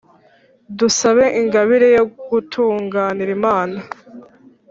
dusabe ingabire yo gutunganira imana.